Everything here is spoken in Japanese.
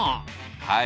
はい。